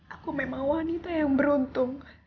aku memang wanita yang beruntung